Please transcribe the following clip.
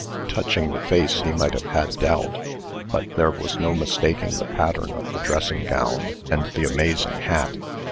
Touching the face he might have had doubt, but there was no mistaking the pattern of the dressing gown and the amazing hat.